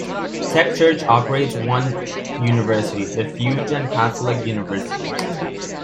The Church operates one university, the Fu Jen Catholic University.